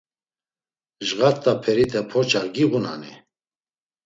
Cğat̆a perite porça giğunani?